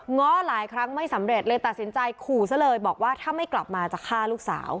ง้อหลายครั้งไม่สำเร็จเลยตัดสินใจขู่ซะเลยบอกว่าถ้าไม่กลับมาจะฆ่าลูกสาว